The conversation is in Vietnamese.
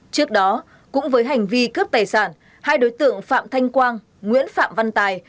trước đó cũng với hành vi cướp tài sản hai đối tượng phạm thanh quang nguyễn phạm văn tài